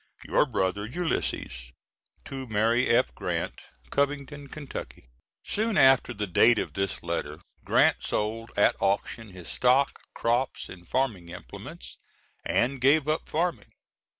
Your Brother, ULYSSES. To MARY F. GRANT, Covington, Ky. [Soon after the date of this letter Grant sold at auction his stock, crops, and farming implements, and gave up farming.